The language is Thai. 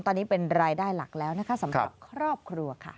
ตอนนี้เป็นรายได้หลักแล้วนะคะสำหรับครอบครัวค่ะ